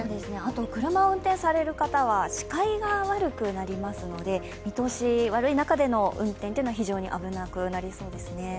車を運転される方は視界が悪くなりますので見通し悪い中での運転というのは非常に危なくなりそうですね。